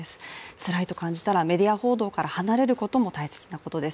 つらいと感じたら、メディア報道から離れることも大切です。